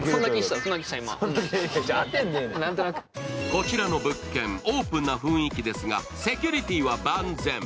こちらの物件、オープンな雰囲気ですがセキュリティーは万全。